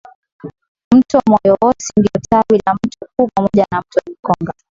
Mto Moyowosi ndio tawi la mto kuu pamoja na mto Nikonga